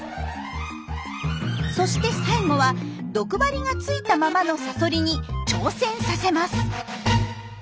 そして最後は毒針がついたままのサソリに挑戦させます。